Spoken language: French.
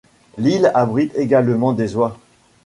L'île abrite également des oies.